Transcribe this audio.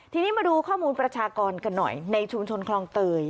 ทีนี้มาดูข้อมูลประชากรกันหน่อยในชุมชนคลองเตย